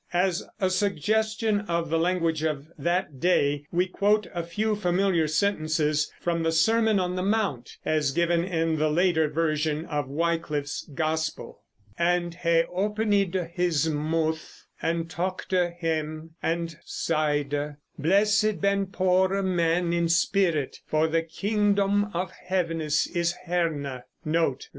As a suggestion of the language of that day, we quote a few familiar sentences from the Sermon on the Mount, as given in the later version of Wyclif's Gospel: And he openyde his mouth, and taughte hem, and seide, Blessid ben pore men in spirit, for the kyngdom of hevenes is herne.